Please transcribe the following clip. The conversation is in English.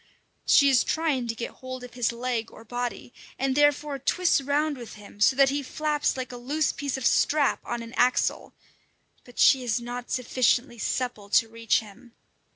She is trying to get hold of his leg or body, and therefore twists round with him so that he flaps like a loose piece of strap on an axle; but she is not sufficiently supple to reach him.